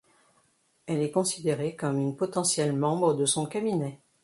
Elle est considérée comme une potentielle membre de son cabinet.